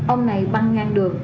ông này băng ngang đường